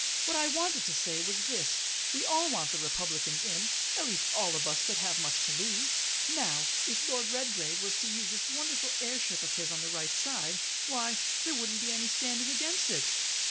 What I wanted to say was this. We all want the Republicans in, at least all of us that have much to lose. Now, if Lord Redgrave was to use this wonderful air ship of his on the right side why there wouldn't be any standing against it."